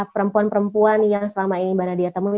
perempuan perempuan yang selama ini mbak nadia temui